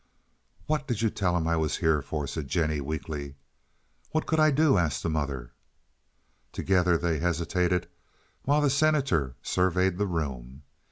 "What did you tell him I was here for?" said Jennie, weakly. "What could I do?" asked the mother. Together they hesitated while the Senator surveyed the room.